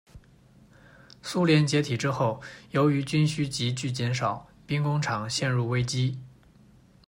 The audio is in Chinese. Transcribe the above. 苏联解体之后，由于军需急剧减少，兵工厂陷入危机。